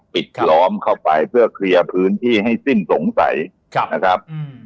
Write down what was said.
ปิดล้อมเข้าไปเพื่อเคลียร์พื้นที่ให้สิ้นสงสัยนะครับ